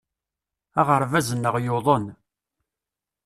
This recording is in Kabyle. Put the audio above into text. Aɣerbaz-nneɣ yuḍen.